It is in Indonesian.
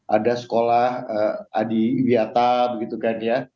ada sekolah adi wiata begitu kan ya